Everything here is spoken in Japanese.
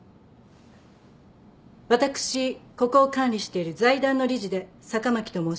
私ここを管理している財団の理事で坂巻と申します。